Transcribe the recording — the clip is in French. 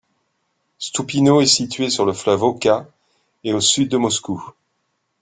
Stoupino est située sur le fleuve Oka, à au sud de Moscou.